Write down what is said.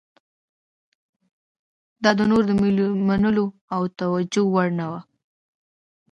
دا نور د منلو او توجیه وړ نه ده.